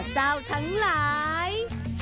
อ๋อเจ้าทั้งหลาย